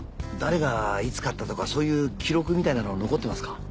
誰がいつ買ったとかそういう記録みたいなのは残ってますか？